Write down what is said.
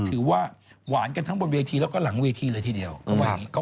ถือว่าหวานกันทั้งบนเวทีแล้วก็หลังเวทีเลยทีเดียวอืมครับ